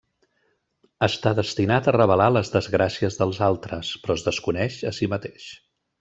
Està destinat a revelar les desgràcies dels altres, però es desconeix a si mateix.